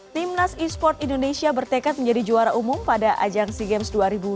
timnas e sport indonesia bertekad menjadi juara umum pada ajang sea games dua ribu dua puluh